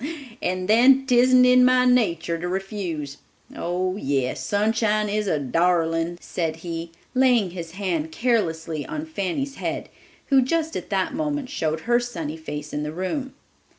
And then 'tisn't in my natur to refuse. Oh, yes; Sunshine is a darling," said he, laying his hand caressingly on Fanny's head, who just at that moment showed her sunny face in the room.